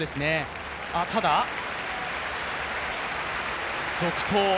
ただ、続投。